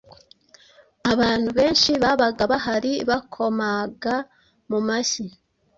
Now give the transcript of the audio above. abantu benshi babaga bahari bakomaga mu mashyi